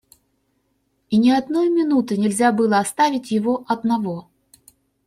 И ни одной минуты нельзя было оставить его одного.